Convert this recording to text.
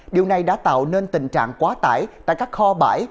điều này đã tạo nên tình trạng quá tải tại các kho bãi